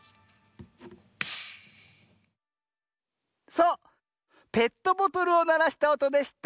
そうペットボトルをならしたおとでした。